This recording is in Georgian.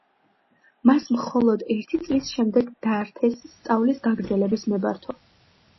მას მხოლოდ ერთი წლის შემდეგ დართეს სწავლის გაგრძელების ნებართვა.